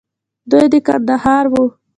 دوى د کندهار وو.